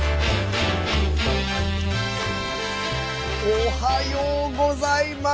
おはようございます。